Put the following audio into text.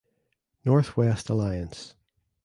Northwest Alliance